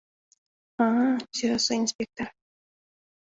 — А-а, — сӧраса инспектор.